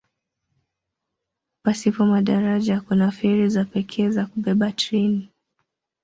Pasipo madaraja kuna feri za pekee za kubeba treni.